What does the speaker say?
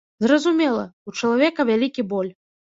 Зразумела, у чалавека вялікі боль.